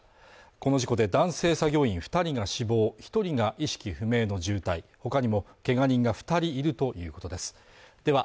この事故で男性作業員二人が死亡一人が意識不明の重体ほかにもけが人が二人いるということですでは